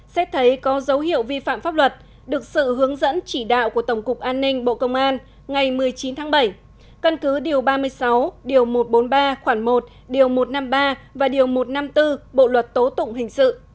xét thấy có dấu hiệu vi phạm pháp luật được sự hướng dẫn chỉ đạo của tổng cục an ninh bộ công an ngày một mươi chín tháng bảy căn cứ điều ba mươi sáu điều một trăm bốn mươi ba khoảng một điều một trăm năm mươi ba và điều một trăm năm mươi bốn bộ luật tố tụng hình sự